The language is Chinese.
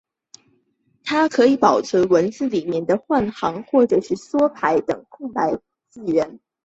它可以保存文字里面的换行或是缩排等空白字元。